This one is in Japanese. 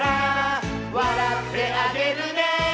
「わらってあげるね」